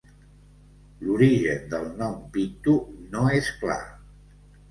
L'origen del nom "Pictou" no és clar.